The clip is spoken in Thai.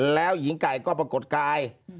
แล้วหญิงไก่ก็ปรากฏกาย